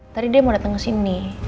tadi dia mau dateng kesini